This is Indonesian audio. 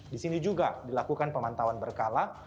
di sini juga dilakukan pemantauan berkala